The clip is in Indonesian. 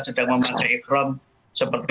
sedang memakai ikhram seperti